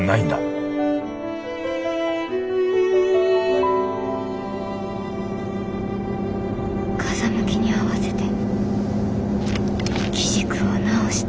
心の声風向きに合わせて機軸を直して。